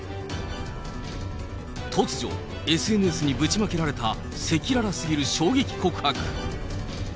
突如、ＳＮＳにぶちまけられた赤裸々すぎる衝撃告白。